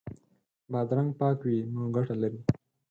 بادرنګ پاک وي نو ګټه لري.